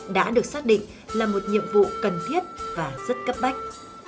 đã được xác định là một nhiệm vụ cần thiết và rất cấp bách